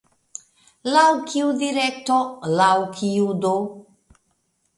Laŭ kiu direkto, laŭ kiu do?